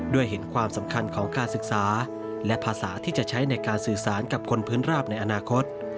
เห็นความสำคัญของการศึกษาและภาษาที่จะใช้ในการสื่อสารกับคนพื้นราบในอนาคต